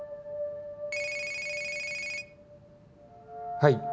はい。